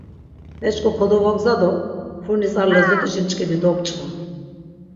P̆eç̆k̆o kodovogza do furnis ar lazut̆işi mçkidi dobç̆va.